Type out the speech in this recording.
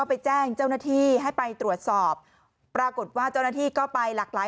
ไปแจ้งเจ้าหน้าที่ให้ไปตรวจสอบปรากฏว่าเจ้าหน้าที่ก็ไปหลากหลาย